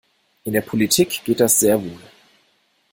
In der Politik geht das sehr wohl.